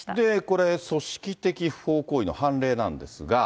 これ、組織的不法行為の判例なんですが。